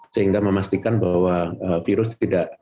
sehingga memastikan bahwa virus tidak